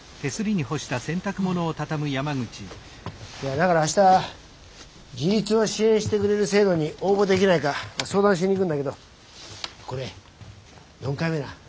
だから明日自立を支援してくれる制度に応募できないか相談しに行くんだけどこれ４回目な。